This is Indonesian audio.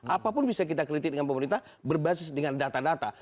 apapun bisa kita kritik dengan pemerintah berbasis dengan data data